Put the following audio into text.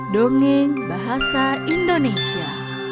dongeng bahasa indonesia